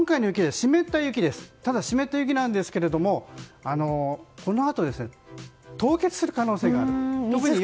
湿った雪なんですがこのあと凍結する可能性がある。